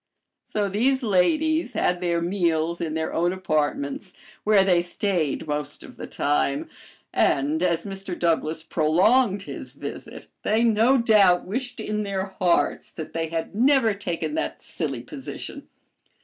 So these ladies had their meals in their own apartments, where they stayed most of the time, and, as Mr. Douglass prolonged his visit, they no doubt wished in their hearts that they had never taken that silly position.